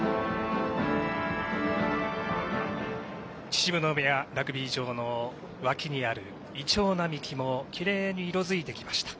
秩父宮ラグビー場の脇にあるいちょう並木もきれいに色づいてきました。